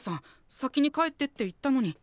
「先に帰って」って言ったのに。